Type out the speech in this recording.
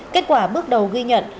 kết quả bước đầu ghi nhận